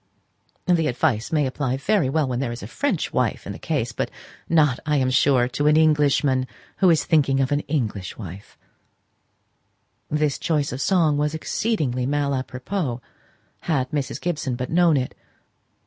The advice may apply very well when there is a French wife in the case; but not, I am sure, to an Englishman who is thinking of an English wife." [Illustration: "TU T'EN REPENTIRAS, COLIN."] This choice of a song was exceedingly mal łpropos, had Mrs. Gibson but known it.